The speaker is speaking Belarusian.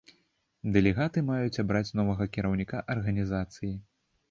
Дэлегаты маюць абраць новага кіраўніка арганізацыі.